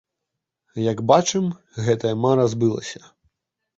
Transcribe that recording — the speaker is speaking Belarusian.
Як бачым, гэтая мара збылася.